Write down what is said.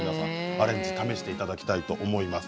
アレンジを試してみていただきたいと思います。